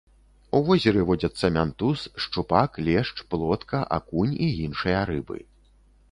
У возеры водзяцца мянтуз, шчупак, лешч, плотка, акунь і іншыя рыбы.